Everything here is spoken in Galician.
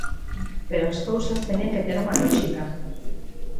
Pero as cousas teñen que ter unha lóxica.